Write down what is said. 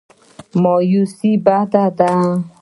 مایوسي بده ده.